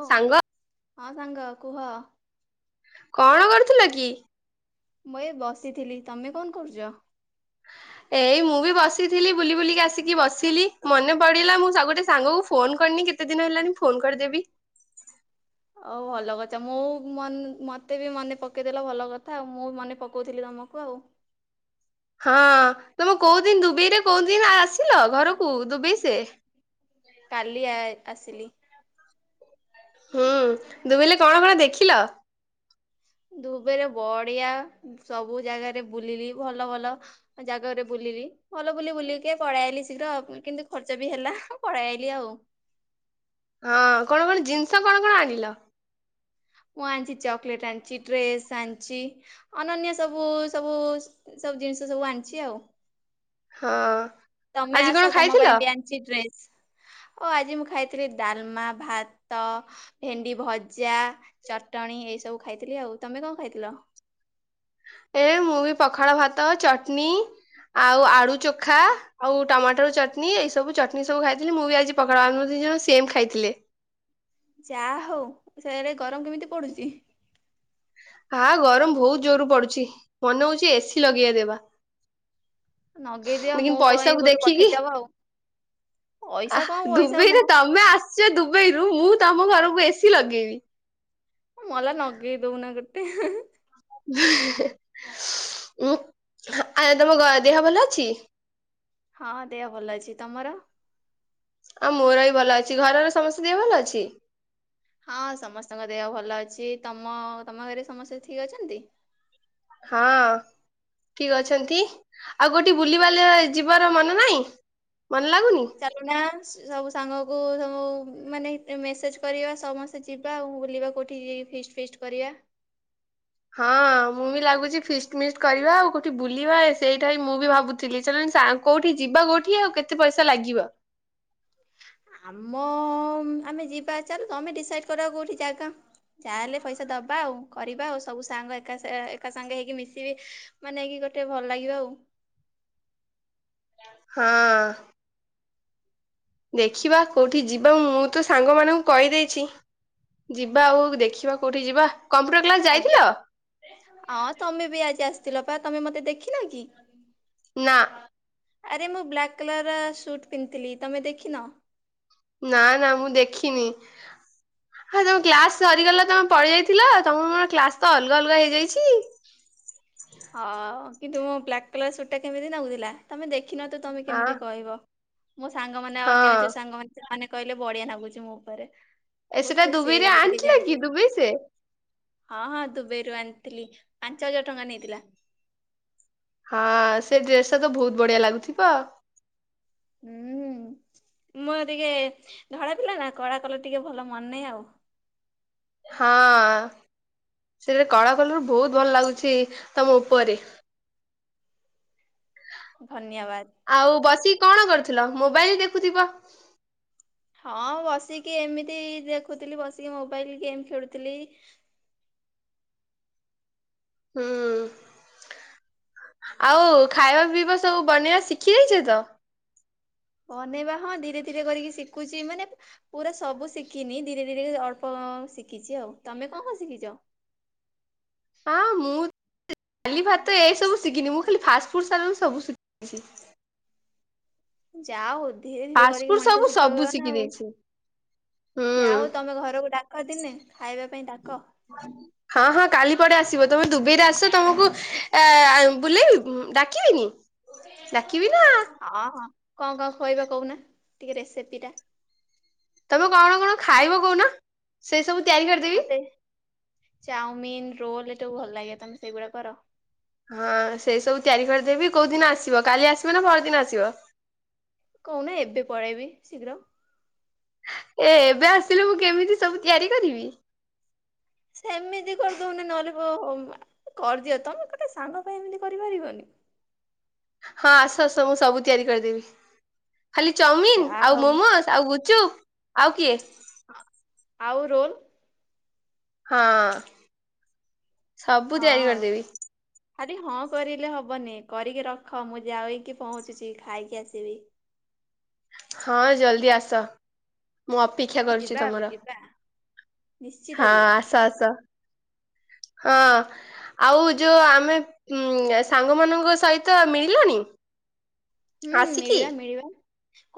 ଓ ସାଙ୍ଗ। ହଁ ସାଙ୍ଗ କୁହ। କଣ କରୁଥିଲ କି? ମୁଁ ଏ ବସିଥିଲି ତମେ କଣ କରୁଛ? ଏଇ ମୁଁ ବି ବସିଥିଲି ବୁଲି ବୁଲି କା ଆସିକି ବସିଲି ମନେ ପଡିଲା ମୁଁ ସବୁଟେ ସାଙ୍ଗକୁ ଫୋନ କରିନି କେତେ ଦିନ ହେଲାଣି ଫୋନ କରିଦେବି। ହଉ ଭଲ କଥା ମୁଁ ମନ ମତେ ବି ମନେ ପକେଇଦେଲ ଭଲ କଥା ଆଉ ମୁଁ ମନେ ପକଉଥିଲି ତମକୁ ଆଉ। ହଁ ତମେ କୋଉ ଦିନ ଦୁବେଇରେ କୋଉ ଦିନ ଆସିଲ ଘରକୁ ଦୁବେଇ ସେ? କାଲି ଆ ଆସିଲି। ହୁଁ ଦୁବେଇଲେ କଣ କଣ ଦେଖିଲ? ଦୁବେଇରେ ବଢିଆ ସବୁ ଜାଗାରେ ବୁଲିଲି ଭଲ ଭଲ ଜାଗାରେ ବୁଲିଲି ଭଲ ବୁଲି ବୁଲିକିି କି ପଳେଇ ଆଇଲି ଶୀଘ୍ର କିନ୍ତୁ ଖର୍ଚ୍ଚ ବି ହେଲା ପଳେଇ ଆଇଲି ଆଉ। ହଁ କଣ କଣ ଜିନିଷ କଣ କଣ ଆଣିଲ? ମୁଁ ଆଣିଚି ଚକଲେଟ ଆଣିଚି ଡ୍ରେସ ଆଣିଚି। ଅନନ୍ୟ ସବୁ ସବୁ ସବୁ ଜିନିଷ ସବୁ ଆଣିଚି ଆଉ। ହଁ। ତମେ ଆଜି କଣ ଆସ ତମ ଖାଇଥିଲ? ପାଇଁ ବି ଆଣିଛି ଡ୍ରେସ। ଓ ଆଜି ମୁଁ ଖାଇଥିଲି ଡାଲମା ଭାତ ଭେଣ୍ଡି ଭଜା ଚଟଣୀ ଏଇ ସବୁ ଖାଇଥିଲି ଆଉ ତମେ କଣ ଖାଇଥିଲ? ଏ ମୁଁ ବି ପଖାଳ ଭାତ ଚଟନି ଆଉ ଆଳୁ ଚୋଖା। ଆଉ ଟମାଟୋ ଚଟନୀ ଏଇ ସବୁ ଚଟଣି ସବୁ ଖାଇଥିଲି ମୁଁ ବି ଆଜି ପଖାଳ ଆମେ ଦିଜଣ ସେମ୍ ଖାଇଥିଲେ। ଯାଆ ହଉ ସେଇଆଡ଼େ ଗରମ କେମିତି ପଡୁଛି? ହାଁ ଗରମ ବହୁତ ଜୋର ପଡୁଛି ମନେ ହଉଛି ଏସି ଲଗେଇ ଦେବା। ନଗେଇଦିଅ ଲେକିନ ମୋ ପାଇଁ ପଇସାକୁ ଗୋଟେ ଦେଖିକି ପଠେଇଦବ ଆଉ। ଆ ପଇସା କଣ ପଇସା ମୋ ଦୁବଇରେ ତମେ ଆସିଛ ଦୁବାଇରୁ ମୁଁ ତମ ଘରକୁ ଏସି ଲଗେଇବି। ମଲା ନଗେଇ ଦଉନା ଗୋଟେ। ଉଁ ଆଜ୍ଞା ତମ ଗ ଦେହ ଭଲ ଅଛି? ହଁ ହଁ ଦେହ ଭଲ ଅଛି ତମର? ଆଉ ମୋର ବି ଭଲ ଅଛି ଘରର ସମସ୍ତ ଦେହ ଭଲ ଅଛି? ହଁ ସମସ୍ତଙ୍କ ଦେହ ଭଲ ଅଛି ତମ ତମ ଘରେ ସମସ୍ତେ ଠିକ ଅଛନ୍ତି? ହଁ। ଠିକ ଅଛନ୍ତି ଆଉ ଗୋଟେ ବୁଲିବାଲି ଯିବାର ମନ ନାହିଁ ମନ ଲାଗୁନି? ଚାଲୁନା ସବୁ ସାଙ୍ଗକୁ ସବୁ ମାନେ ମେସେଜ କରିବା ସମସ୍ତେ ତେ ଯିବା ଆଉ ବୁଲିବା କୋଉଠିକି ଫିଷ୍ଟ ଫିଷ୍ଟ କରିବା। ହଁ ମୁଁ ବି ଲାଗୁଛି ଫିଷ୍ଟ ମିଷ୍ଟ କରିବା ଆଉ କୋଉଠି ବୁଲିବା ସେଇଟା ମୁଁ ବି ଭାବୁଥିଲି ସେମାନେ ସା କୋଉଠି ଯିବା କୋଉଠି ଆଉ କେତେ ପଇସା ଲାଗିବ? ଆମ ଆମେ ଯିବା ଚାଲ ତମେ ଡିସାଇଡ କରିବ କୋଉଠି ଜାଗା। ଯାହାହେଲେ ପଇସା ଦବା ଆଉ କରିବା ଆଉ ସବୁ ସାଙ୍ଗ ଏକା ଏକା ସାଙ୍ଗ ହେଇକି ମିଶିବି ମାନେ କି ଗୋଟେ ଭଲ ଲାଗିବ ଆଉ। ହଁ। ଦେଖିବା କୋଉଠି ଯିବା ମୁଁ ତ ସାଙ୍ଗ ମାନଙ୍କୁ କହିଦେଇଛି ଯିବା ଆଉ ଦେଖିବାକୁ କଉଠି ଯିବା କମ୍ପୁଟର ଆଜି ହଁ ତମେ ବି ଆଜି ଆସିଥିଲ ପା ତମେ ମତେ ଦେଖିନ କି? ନା। ଆରେ ମୁଁ ବ୍ଲାକ୍ କଲର ର ସୁଟ୍ ପିନ୍ଧଥିଲି ତମେ ଦେଖିନ? ନା ନା ମୁଁ ଦେଖିନି। ହଁ ତମ କ୍ଲାସ ସରିଗଲା ତମେ ପଳିଆଇଥିଲ ତମ ମୋର କ୍ଲାସ ତ ଅଲଗା ଅଲଗା ହେଇଯାଇଛି ହଁ କିନ୍ତୁ ମୋ ବ୍ଲାକ୍ କଲର ସୁଟ ଟା କେମିତି ନାଗୁଥିଲା? ତମେ ଦେଖିନତ ତମେ ଆ କେମିତି କହିବ ମୋ ସାଙ୍ଗମାନେ ଆଉ ହଁ ଅନ୍ୟ ଯଉ ସାଙ୍ଗମାନେ ମାନେ କହିଲେ ବଢିଆ ନାଗୁଛି ମୋ ଉପରେ ଏ ବହୁତ ସେଟା ଖୁସି ଦୁବାଇରେ ହେଇଗଲି ଟିକେ ଆଣିଥିଲା କି ଜାଣିକି। ଦୁବାଇ ସେ ହଁ ହଁ ଦୁବଇରୁ ଆଣିଥିଲି ପାଞ୍ଚ ହଜାର ଟଙ୍କା ନେଇଥିଲା। ହଁ ସେ ଡ୍ରେସ ଟା ତ ବହୁତ ବଢିଆ ଲାଗୁଥିବ। ହୁଁ ମୁଁ ପା ଟିକେ ଧଳା ପିଲା ନା କଳା କଲର ଟିକେ ଭଲ ମନେ ଆଉ। ହଁ ସେଥିରେ କଳା କଲର ବହୁତ ଭଲ ଲାଗୁଛି ତମ ଉପରେ। ଧନ୍ୟବାଦ। ଆଉ ବସିକି କଣ କରୁଥିଲ ମୋବାଇଲ ଦେଖୁଥିବ? ହଁ ବସିକି ଏମିତି ଦେଖୁଥିଲି ବସିକି ମୋବାଇଲ ଗେମ୍ ଖେଳୁଥିଲି। ହୁଁ। ଆଉ ଖାଇବା ପିଇବା ସବୁ ବନେଇବା ଶିଖି ଯାଇଛ ତ? ବନେଇବା ହଁ ଧୀରେ ଧୀରେ କରିକି ଶିଖୁଛି ମାନେ ପୁରା ସବୁ ଶିଖିନି ଧୀରେ ଧୀରେ ଅଳ୍ପ ଶିଖିଛି ଆଉ ତମେ କଣ କଣ ଶିଖିଛ? ହଁ ମୁଁ ଡାଲି ଭାତ ଏ ସବୁ ଶିଖିନି ମୁଁ ଖାଲି ଫାଷ୍ଟ ଫୁଡ ସା ଫୁଡ ସବୁ ଶିଖିଛି। ଯାହା ହୋଉ ଧୀରେ ଧୀରେ କରିକି ଫାଷ୍ଟଫୁଡ ମଣିଷ ସବୁ ସବୁ ଶିଖିବ ଆଉ ଶିଖି ନା ଆଉ ଦେଇଛି। ହୁଁ ଯା ହଉ ତମେ ଘରକୁ ଡା କ ଦିନେ ଖାଇବା ପାଇଁ ଡାକ। [inaudible] ହଁ ହଁ କାଲି ପଡେ ଆସିବ ତମେ ଦୁବଇରେ ଆସ ତମକୁ ବୁଲେଇବିନି ଡାକିବନି। ଡାକିବି ନା। ହଁ ହଁ କଣ କଣ ଖୁଏଇବା କହୁନା ଟିକେ ରେସିପିଟା। ତମେ କଣ କଣ ଖାଇବ କହୁନ ସେ ସବୁ ତିଆରି କରିଦେବି। ଚାଓମିନ ରୋଲ ଏସବୁ ଭଲଲାଗେ ତମେ ସେଗୁଡା କର? ହଁ ସେଇ ସବୁ ତିଆରି କରିଦେବି କୋଉ ଦିନ ଆସିବ କାଲି ଆସିବ ନା ପରଦିନ ଆସିବ? କହୁନ ଏବେ ପଳେଇବି ଶୀଘ୍ର। ଏ ଏବେ ଆସିଲେ ମୁଁ କେମିତି ସବୁ ତିଆରି କରିବି। ସେମିତି କରିଦଉନ ନହଲେ କୋ ହୋମା କରଦିଅ ତମେ ଗୋଟେ ସାଙ୍ଗ ପାଇଁ ଏମିତି କରିପାରିବନି। ହଁ ଆସ ସବୁ ମୁଁ ସବୁ ତିଆରି କରିଦେବି ଖାଲି ଚାଓମିିନ ଯାହା ଆଉ ହଉ ମୋମୋଜ। ଆଉ ଗୁଚୁ ଆଉ କିଏ? ଆ ଆଉ ରୋଲ? ହଁ। ସବୁ ତିଆରି ହଁ। କରିଦେବି ଆରେ ହଁ କରିଲେ ହବନି କରିକି ରଖ ମୁଁ ଯାଇକି ପହଞ୍ଚୁଚି ଖାଇକି ଆସିବି। ହଁ ଜଲ୍ଦି ଆସ। ମୁଁ ଅପେକ୍ଷା କରୁଛି ଯିବା ଆଉ ତମର ଯିବା ନିଶ୍ଚିତ ହଁ ଯିବା ଆସ ଆସ। ହଁ। ଆଉ ଯୋଉ ଆମେ ଉମ ସାଙ୍ଗ ମାନଙ୍କ ସହିତ ମିଳିଲଣିି? ହୁଁ ମିଳିବା ମିଳିବା।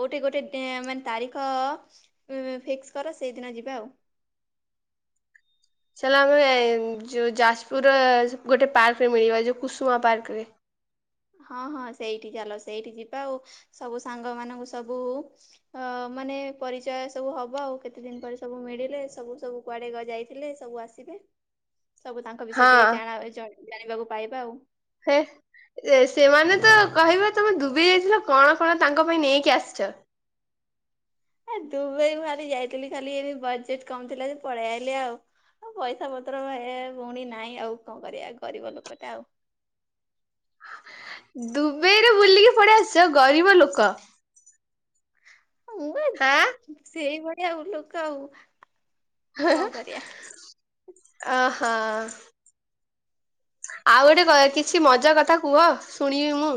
କୋଉଠି ଗୋଟେ ଟେଂ ମାନେ ତାରିଖ ଉଁ ଫିକ୍ସ କର ସେଇଦିନ ଯିବା ଆଉ। ଚାଲ ଆମେ ଯୋଉ ଯାଜପୁରର ଗୋଟେ ପାର୍କରେ ମିଳିବା ଯୋଉ କୁସୁମା ପାର୍କରେ। ହଁ ହଁ ସେଇଠି ଚାଲ ସେଇଠି ଯିବା ଆଉ ସବୁ ସାଙ୍ଗମାନଙ୍କୁ ସବୁ। ଅ ମାନେ ପରିଚୟ ସବୁ ହବା ଆଉ କେତେଦିନ ପରେ ସବୁ ମିଳିଲେ ସବୁ ସବୁ। କୁଆଡେ ଗ ଯାଇଥିଲେ ସବୁ ଆସିବେ। ହ ସବୁ ତାଙ୍କ ବିଷୟରେ ଟିକେ ଜାଣାହବ ଏ ଜଣେ ଜାଣିବାକୁ ପାଇବା ଆଉ। ହେ ଏ ସେମାନେ ତ କହିବେ। ତମେ ଦୁବେଇ ଯାଇଥିଲ କଣ କଣ ତାଙ୍କ ପାଇଁ ନେଇକି ଆସିଛ? ଏ ଦୁବାଇ ଖାଲି ଯାଇଥିଲି ଖାଲି ଏ ବଜେଟ କମଥିଲା ଯେ ପଳେଇଆଇଲି ଆଉ। ଆ ପଇସାପତ୍ର ଏ ଭଉଣୀ ନାହିଁ ଆଉ କଣ କରିବା ଗରିବ ଲୋକଟା ଆଉ। ଦୁବେଇରେ ବୁଲିକି ପଳେଇ ଆସିଛ ଗରିବ ଲୋକ। ହଁ ମୁଁ ହାଁ। ହୁଁ ସେଇଭଳିଆ ଆଉ ଲୋକ ଆଉ। କଣ କରିବା ଅହ। ଆଉ ଗୋଟେ କଏ କିଛି ମଜାକଥା କୁହ ଶୁଣିବି ମୁଁ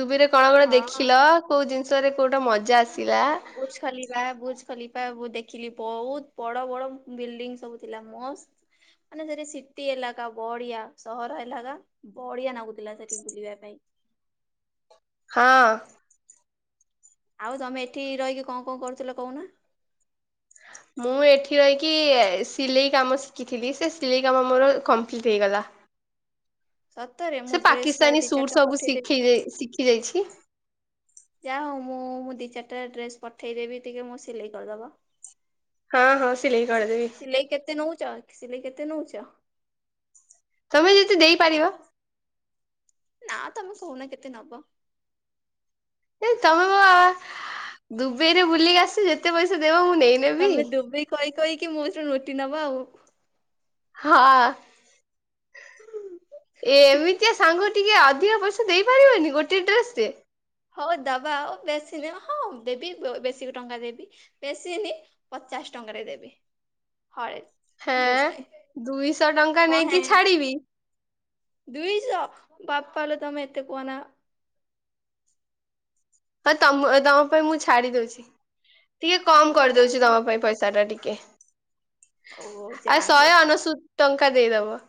ଦୁବେଇରେ। କଣ କଣ ହଁ। ଦେଖିଲ କୋଉ ଜିନିଷରେ କୋଉଟା ମଜା ଆସିଲା? ବୁଜ ଖଲିିଫା ବୁଜ ଖଲିିଫା ମମୁଁ ଦେଖିଲି ବହୁତ ବଡ ବଡ ବିଲ୍ଡିଙ୍ଗ ସବୁ ଥିଲା ମସ୍ତ। ମାନେ ସେଠି ସିଟି ଏଲାକା ବଢ଼ିଆ ସହର ଏଲାକା। ବଢିଆ ନାଗୁଥିଲା ସେଠି ବୁଲିବା ପାଇଁ। ହଁ। ଆଉ ତମେ ଏଠି ରହିକି କଣ କଣ କରୁଥିଲ କହୁନ? ମୁଁ ଏଠି ରହିକି ଏ ସିଲେଇ କାମ ଶିଖିଥିଲି ସେ ସିଲେଇ କାମ ମୋର କମ୍ପ୍ଲିଟ୍ ହେଇଗଲା। ସତରେ? ସେ ମୁଁ ଡ୍ରେସ କ ପାକିସ୍ତାନୀ ଦି ସୁଟ ଚାରିଟା ସବୁ ପଠେଇଦେବି। ଶିଖୀଯେ ଶିଖିଯାଇଛି। ଯାହାହଉ ମୁଁ ମୁଁ ଦି ଚାରିଟା ଡ୍ରେସ ପଠେଇଦେବି ଟିକେ ମୋର ସିଲେଇ କରିଦବ। ହଁ ହଁ ସିଲେଇ କରିଦେବି। ସିଲେ-ସିଲେଇ କେତେ ନଉଚ ସିଲେଇ କେତେ ନଉଚ? ତମେ ଯେତେ ଦେଇପାରିବ। ନା ତମେ କହୁନା କେତେ ନବ? ଏ ତମେ ଦୁବଇରେ ବୁଲିକି ଆସି ଯେତେ ପଇସା ଦେବ ମୁଁ ନେଇନେବି। କଇ କଇକି ମୋଠୁ ଲୁଟି ନବ ଆଉ। ହା। ଏ ଏମିତିଆ ସାଙ୍ଗ ଟିକେ ଅଧିକ ପଇସା ଦେଇପାରିବନି ଗୋଟେ ଡ୍ରେସ ରେ। ହଉ ଦବା ଆଉ ବେଶୀ ନିଅ ହଁ ଦେବି ବେଶୀ ଟଙ୍କା ଦେବି। ବେଶୀନି ପଚାଶ୍ ଟଙ୍କାରେ ଦେବି ହଳେ। ଡ୍ରେସ୍ ହାଁ ପାଇଁ ଦୁଇଶହ ଟଙ୍କା କଣ ହେ ନେଇକି ଛାଡିବି। ଦୁଇଶହ ବାପାଲୋ ତମେ ଏତେ କୁଅନା। ହଁ ତମ ତମ ପାଇଁ ମୁଁ ଛାଡି ଦଉଚି। ଟିକେ କମ୍ ହଉ ଯାଉ କରିଦଉଚି ତମ ପାଇଁ ପଇସା ଟା ଟିକେ। ହଉ ହଉ ଆ ଯା ହଉ ଶହେ ଅନେଶୁତ୍ ଟଙ୍କା ଦେଇଦବ।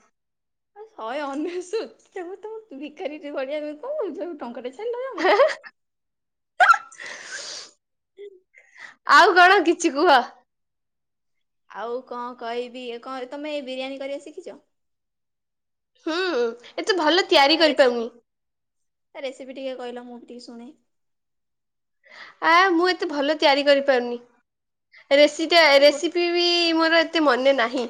ଶହେ ଅନେଶୁତ୍ [unintelligible] ଭିକାରୀ ଟେ ଭରିଆ କଣ କହୁଛ ଟଙ୍କାଟେ ଛା [unintelligible] [inaudible] ଆଉ କଣ କିଛି କୁହ? ଆଉ କଁ କହିବି ଏଁ କଁ ଏ ତମେ ଏଇ ବିରିୟାନୀ କରିବା ଶିଖିଛ? ହୁଁ ଏତେ ଭଲ ତିଆରି ତା କରିପାରୁନି। ରେସିପି ତା ରେସିପି ଟିକେ କହିଲ ମୁଁ ବି ଟିକେ ଶୁଣେ। ଆ ମୁଁ ଏତେ ଭଲ ତିଆରି କରିପାରୁନି ରେସି ଟା ଏ ରେସି ଫିର୍ ବି ମୋର ଏତେ ମନେ ନାହିଁ।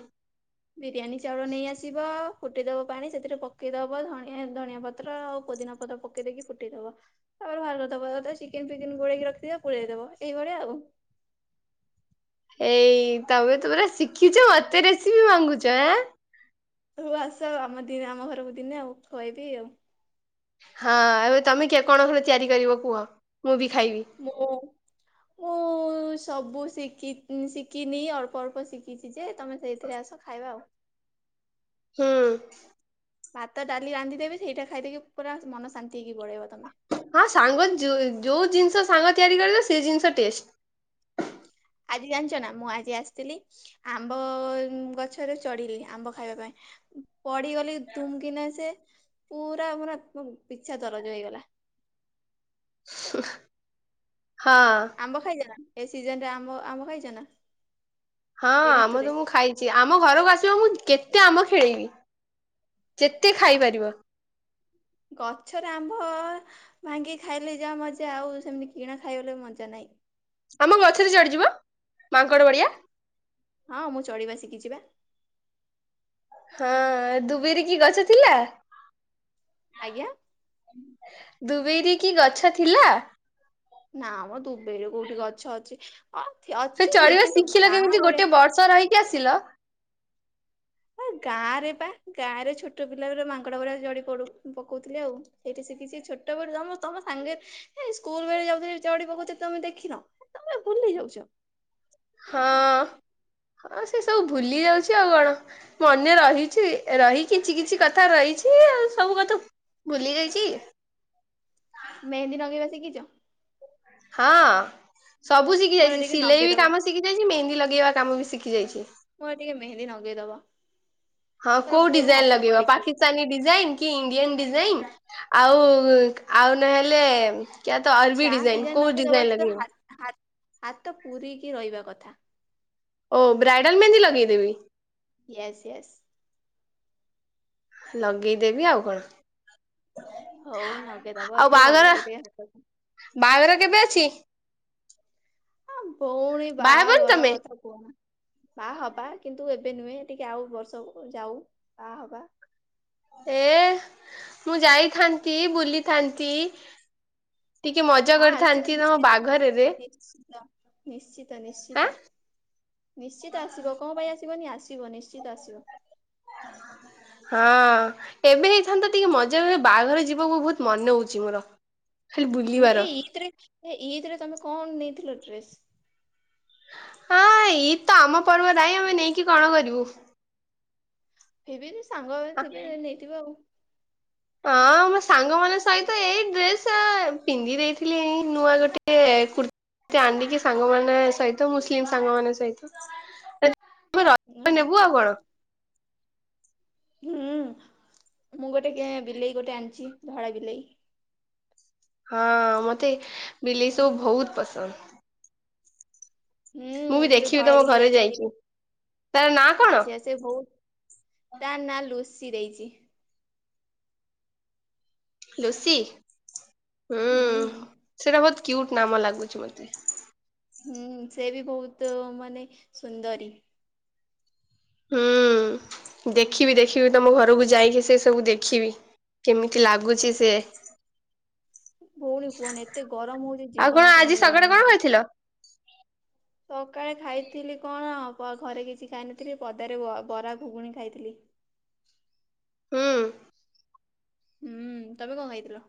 ବିରିୟାନୀ ଚାଉଳ ନେଇ ଆସିବ ଫୁଟିଦବ ପାଣି ସେଥିରେ ପକେଇଦବ ଧଣିଆ ଧଣିଆ ପତ୍ର ଆଉ ପୋଦିନା ପତ୍ର ପକେଇ ପକେଇ ଦେଇକି ଫୁଟେଇଦବ ତାପରେ ବାହାର କରିଦବା କଥା ଚିକେନ୍ ଫିକନ୍ ଗୋଳେଇକି ରଖିଥିବ ପୁରେଇଦବ ଏଇଭଳି ଆଉ। ଏଇ ତମେ ତ ପୁରା ଶିଖିଛ ମତେ ରେସିପି ମାଗୁଛ ଏଁ। ହଉ ଆସ ଆଉ ଆମ ଦିନେ ଆମ ଘରକୁ ଦିନେ ଆଉ ଖୁଆବି ଆଉ। ହଁ ଏବେ ତମେ କିଏ କଣ ଘରେ ତିଆରି କରିବ କୁହ ମୁଁ ବି ଖାଇବି। ମୁଁ ମୁଁ ସବୁ ଶିଖି ଶିଖିନି ଅଳ୍ପ ଅଳ୍ପ ଶିଖ ଖିଚି ଯେ ତମେ ସେଇଥିରେ ଆସ ଖାଇବା ଆଉ। ହୁଁ। ଭାତ ଡାଲି ରାନ୍ଧିଦେବେି ସେଇଟା ଖାଇଦେଇକି ପୁରା ମନ ଶାନ୍ତି ହେଇକି ପଳେଇବ ତମେ। ହଁ ସାଙ୍ଗ ଯୁ-ଯୋଉ ଜିନିଷ ସାଙ୍ଗ ତିଆରି କରିବ ସେ ଜିନିଷ ଟେଷ୍ଟ୍। ଆଜି ଜାଣିଚ ନା ମୁଁ ଆଜି ଆସିଥିଲି ଆମ୍ବ ଗଛରେ ଚଢିଲି ଆମ୍ବ ଖାଇବା ପାଇଁ ପଡିଗଲି ଦୁମ୍ କିନା ଯେ ପୁରା ପୁରା ପିଚା ଦରଜ ହେଇଗଲା। ହଁ। ଆମ୍ବ ଖାଇଚ ନା ସିଜନ୍ ରେ ଆମ୍ବ ଆମ୍ବ ଖାଇଚ ନା? ହଁ ଏ ଆମ ଋତୁରେ ତ ମୁଁ ଖାଇଚି। ଆମ ଘରକୁ ଆସିବ ମୁଁ କେତେ ଆମ୍ୱ ଖେଳେଇବି ଯେତେ ଖାଇପାରିବ। ଗଛରେ ଆମ୍ବ ଭାଙ୍ଗି ଖାଇଲେ ଯାହା ମଜା ଆଉ ସେମିତି କିଣା ଖାଇବଲେ ମଜା ନାହିଁ। ଆମ ଗଛରେ ଚଡିଯିବ ମାଙ୍କଡ ବଡିଆ। ହଁ ମୁଁ ଚଢିବା ଶିଖିଚିବା। ହଁ ଦୁବେଇ ରେ କି ଗଛ ଥିଲା? ଆଜ୍ଞା? ଦୁବାଇରେ କି ଗଛ ଥିଲା? ନା ମ ଦୁବାଇରେ କୋଉଠି ଗଛ ଅଛି ହଁ ଅଛି ଯେ କିନ୍ତୁ ଗାଁ ବଳିଆ ସୋ ରହିକି ଆସିଲ। କାରେ ପା କାରେ ଛୋଟ ପିଲା ବଗୁରା ମାଙ୍କଡ ଗୁରା ଚଢି ପଡ଼ୁ ପକଉଥିଲେ ଆଉ। ସେଇଠି ସେ କିିଛି ଛୋଟ ବଟୁ ତମ ତମ ସାଙ୍ଗରେ ହେ ସ୍କୁଲ ବେଳେ ଯାଉଥିଲି ଚଢି ପକଉ ଥିଲି ତମେ ଦେଖିନ ତମେ ବୁଲି ଯାଉଚ। ହଁ ହଁ ସେ ସବୁ ଭୁଲି ଯାଉଚି ଆଉ କଣ। ମନେ ରହିଛି ରହି କିଛି କିଛି କଥା ରହିଛି ଆଉ ସବୁ କଥା ଭୁଲି ଯାଇଚି। ମେହେନ୍ଦୀ ନଗେଇବା ଶିଖିଚ? ହଁ ସବୁ ଶିଖି ମୋର ଯାଇଚି ଟିକେ ସିଲେଇ ନଗେଇଦବ। କାମ ସି ଶିଖି ଯାଇଚି ମେହେନ୍ଦି ଲଗେଇବା କାମ ବି ଶିଖି ଯାଇଚି। ମୋର ଟିକେ ମେହେନ୍ଦୀ ନଗେଇଦବ। ହଁ ପୁରା କୋଉ ଫୁଲ ଡିଜାଇନ ହାତ ଲଗେଇବ କରିକି। ପାକି ସ୍ତାନୀ ଡିଜାଇନ କି ଇଣ୍ଡିଆନ ଡିଜାଇନ ଆଉ ଆଉ ନହେଲେ କ୍ୟାତ ଅରବି ଯା ଡିଜାଇନ କୋଉ ନଗେଇଦବ ଡିଜାଇନ କିନ୍ତୁ ଲାଗେଇିବ? ହା ହାତ ପୁରୀକି ରହିବା କଥା। ଓ ବ୍ରାଇଡ଼ାଲ୍ ମେହେନ୍ଦି ଲଗେଇଦେବି। Yes yes. ଲଗେଇଦେବି ଆଉ କଣ। ହଉ ନଗେଇଦବ ଆଉ ଟିକେ ଭଲ ବାହାଘର ଲାଗିବ ଟିକେ ହାତକୁ। ବାହାଘର କେବେ ଅଛି? ହଁ ପୁଣୀ ବାହା ହେବନି ବାହାଘର ତମେ କଥା ଉ ବାହା ହବା କିନ୍ତୁ ଏବେ ନୁହେଁ ଟିକେ ଆଉ ବର୍ଷ କୁ ଯାଉ ବାହା ହବା। ଏ ମୁଁ ଯାଇଥାନ୍ତି ବୁଲିଥାନ୍ତି। ଟିକେ ମଜା ହଁ ଆସିବ କରିଥାନ୍ତି ତମ ନିଶ୍ଚିତ ବାଘରରେ। ନିଶ୍ଚିତ ନିଶ୍ଚିତ ଆଁ ନିଶ୍ଚିତ ନିଶ୍ଚିତ ଆସିବ କଣ ପାଇଁ ଆସ ସିବନି ଆସିବ ନିଶ୍ଚିତ ଆସିବ। [unintelligible] ହଁ ଏବେ ହେଇଥାନ୍ତା ଟିକେ ମଜା ବାହାଘର ଯିବାକୁ ବହୁତ ମନ ହଉଛି ମୋର। ଖାଲି ହୁଁ ବୁଲିବାର ଏଇ ଇଥି ରେ ଏ ଇଦ୍ ରେ ତମେ କଣ ନେଇଥିଲ ଡ୍ରେସ୍? ହଁ ଇଦ୍ ତ ଆମ ପର୍ବ ନାହିଁ ଆମେ ନେଇକି କଣ କରିବୁ? ଫିବି ବି ସାଙ୍ଗ ଗୁରା ଥିବେ ନେଇଥିବେ ଆଉ। ହଁ ମୋ ସାଙ୍ଗ ମାନଙ୍କ ସହିତ ଏଇ ଡ୍ରେସ ପିନ୍ଧି ଦେଇଥିଲି ନୂଆ ଗୋଟେ କୁର୍ତ୍ ତି ଆନିକି ସାଙ୍ଗମାନେ ସହିତ ମୁସ୍ଲିମ୍ ସାଙ୍ଗମାନ ସଇତ। [unintelligible] ରେ ଓହୋ ନେବୁ ଆଉ କଣ? ହୁଁ ମୁଁ ଗୋଟେ କେ ବିଲେଇ ଗୋଟେ ଆଣିଚି ଧଳା ବିଲେଇ। ହଁ ମତେ ବିଲେଇ ସବୁ ଭହୁତ୍ ପସନ୍ଦ୍। ହୁଁ ମୁଁ ବି ଯୋଉଟା ଦେଖିବି ଧଳା ତମ ବିିଲେଇ ଘରେ ଆଇଚି ଦି ଯାଇକି ତାର ନାଁ କଣ? ଆଜି ଆସ ସେ ବହୁତ୍ ତା ନା ଲୁସି ଦେଇଚି। ଲୁସି। ହୁଁ ହୁଁ। ସେଇଟା ବହୁତ କ୍ୟୁଟ୍ ନାମ ଲାଗୁଚି ମତେ। ହୁଁ ସେ ବି ବହୁତ ମାନେ ସୁନ୍ଦରୀ। ହୁଁ ଦେଖିବି ଦେଖିବି ତମ ଘରକୁ ଯାଇକି ସେ ସବୁ ଦେଖିବି। କେମିତି ଲାଗୁଛି ସିଏ? ଭଉଣୀ କୁହନି ଏତେ ଗରମ ହଉଚି ଆଉ ଜୀବନ କଣ ଆଜି ସକାଳେ ହେଇଗଲାଣି କଣ ମୁଣ୍ଡ। [unintelligible] ସକାଳେ ଖାଇଥିଲି କଣ ଘରେ କିଛି ଖାଇନଥିଲି ପଦାରେ ବ ବରା ଘୁଗୁଣି ଖାଇଥିଲି। ହୁଁ। ହୁଁ ତମେ କଣ ଖାଇଥିଲ?